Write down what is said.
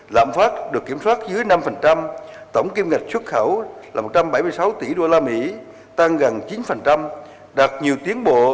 lạm phát được kiểm soát dưới năm tổng kim ngạch xuất khẩu là một trăm bảy mươi sáu tỷ usd tăng gần chín đạt nhiều tiến bộ